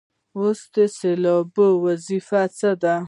اوس د سېلاب وظیفه څه ده.